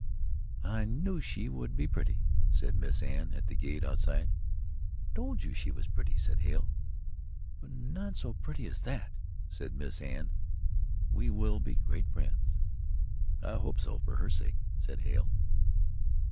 "I KNEW she would be pretty," said Miss Anne at the gate outside. "I TOLD you she was pretty," said Hale. "But not so pretty as THAT," said Miss Anne. "We will be great friends." "I hope so for her sake," said Hale.